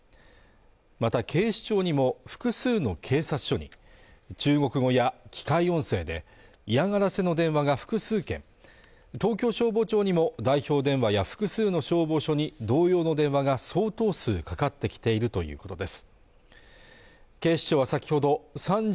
また警視庁にも複数の警察署に中国語や機械音声で嫌がらせの電話が複数件東京消防庁にも代表電話や複数の消防署に同様の電話が相当数かかってきているということです